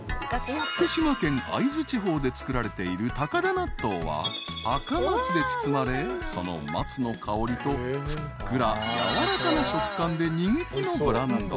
［福島県会津地方で作られている高田納豆は赤松で包まれその松の香りとふっくらやわらかな食感で人気のブランド］